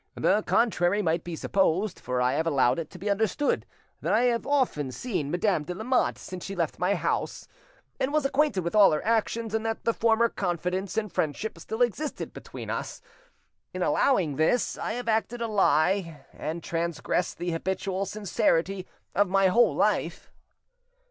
The contrary might be supposed; for I have allowed it to be understood that I have often seen Madame de Lamotte since she left my house, and was acquainted with all her actions, and that the former confidence and friendship still existed between us. In allowing this, I have acted a lie, and transgressed the habitual sincerity of my whole life."